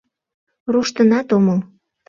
— Руштынат омыл.